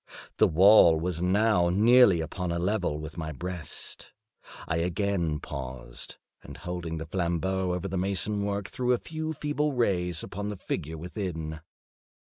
The wall was now nearly upon a level with my breast. I again paused, and holding the flambeaux over the mason work, threw a few feeble rays upon the figure within.